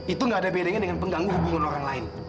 itu tidak ada perbedaan dengan pengganggu hubungan orang lain